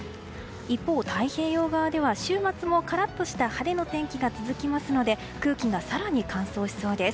一方、太平洋側では週末もカラッとした晴れの天気が続きますので空気が更に乾燥しそうです。